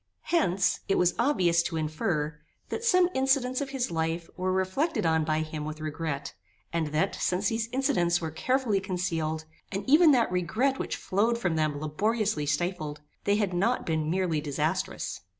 Hence, it was obvious to infer, that some incidents of his life were reflected on by him with regret; and that, since these incidents were carefully concealed, and even that regret which flowed from them laboriously stifled, they had not been merely disastrous.